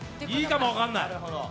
いいかも分かんない。